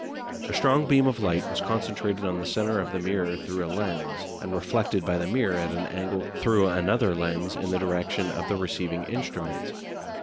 A strong beam of light was concentrated on the centre of the mirror through a lens, and reflected by the mirror at an angle through another lens in the direction of the receiving instrument.